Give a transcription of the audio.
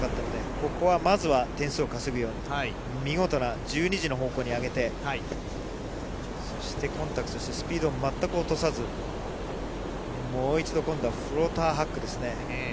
ここはまずは点数を稼ぐように、見事な１２時の方向に上げて、そしてコンタクトしてスピードも全く落とさず、もう一度今度はフローターハックですね。